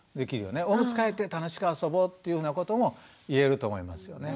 「おむつ替えて楽しく遊ぼう」っていうふうなことも言えると思いますよね。